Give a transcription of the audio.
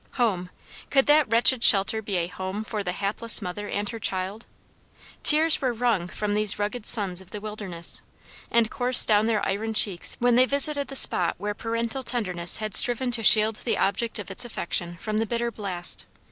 Home! could that wretched shelter be a home for the hapless mother and her child? Tears were wrung from those rugged sons of the wilderness, and coursed down their iron cheeks when they visited the spot where parental tenderness had striven to shield the object of its affection from the bitter blast.